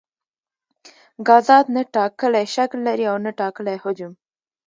ګازات نه ټاکلی شکل لري او نه ټاکلی حجم.